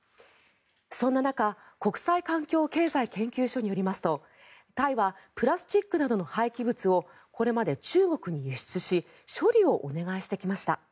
そんな中国際環境問題研究所によりますとタイはプラスチックなどの廃棄物をこれまで中国に輸出し処理をお願いしてきました。